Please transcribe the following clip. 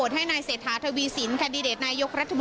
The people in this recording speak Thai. ไม่เห็นสิ่งแค่เวลาเป็นโชคเกาะ